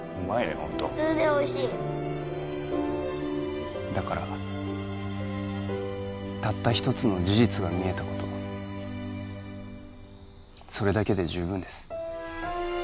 普通でおいしいだからたった一つの事実が見えたことそれだけで十分です